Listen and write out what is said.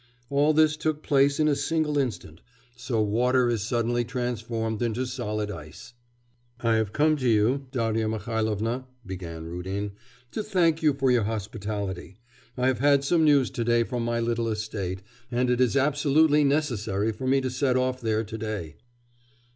All this took place in a single instant... so water is suddenly transformed into solid ice. 'I have come to you, Darya Mihailovna,' began Rudin, 'to thank you for your hospitality. I have had some news to day from my little estate, and it is absolutely necessary for me to set off there to day.